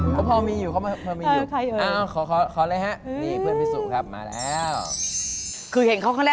เหรอมีเพื่อนอยู่ยังไง